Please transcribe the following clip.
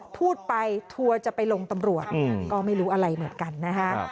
พูดไปทัวร์จะไปลงตำรวจก็ไม่รู้อะไรเหมือนกันนะฮะ